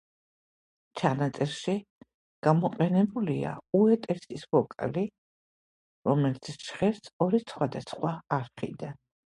ჩანაწერში გამოყენებულია უოტერსის ვოკალი, რომელიც ჟღერს ორი სხვადასხვა არხიდან.